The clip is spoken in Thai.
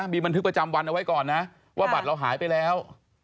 มีบันทึกประจำวันเอาไว้ก่อนนะว่าบัตรเราหายไปแล้ว